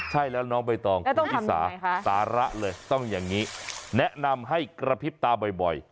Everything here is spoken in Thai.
ใช่แล้วน้องใบตองคุณชิสาสาระเลยต้องอย่างนี้แนะนำให้กระพริบตาบ่อย